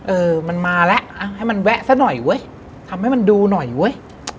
เออมันมาแล้วให้มันแวะซะหน่อยเว้ยทำให้มันดูหน่อยเว้ย